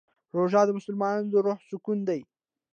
روژه د مسلمان د روح سکون دی.